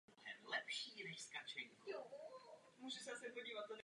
Nejvíce nominací i cen posbíral dramatický film "Půlnoční expres".